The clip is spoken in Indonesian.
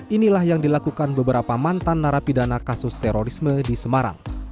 inilah yang dilakukan beberapa mantan narapidana kasus terorisme di semarang